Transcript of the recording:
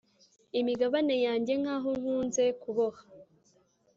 “imigabane yanjye ngaho nkunze kuboha,